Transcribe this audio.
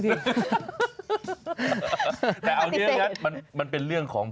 แต่เอานี่มันเป็นเรื่องของ